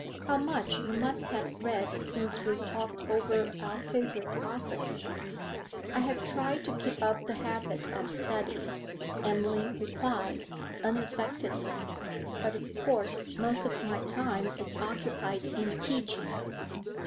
How much you must have read since we talked over our favourite authors.' 'I have tried to keep up the habit of study,' Emily replied, unaffectedly, 'but of course most of my time is occupied in teaching.'